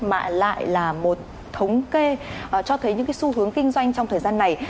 mà lại là một thống kê cho thấy những cái xu hướng kinh doanh trong thời gian này